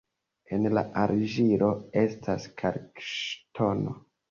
En la argilo estas kalkŝtono.